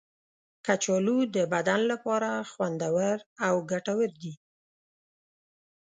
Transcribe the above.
کچالو د بدن لپاره خوندور او ګټور دی.